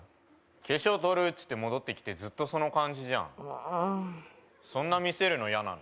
化粧とるっつって戻ってきてずっとその感じじゃんうんそんな見せるの嫌なの？